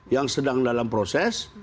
yang sedang dalam proses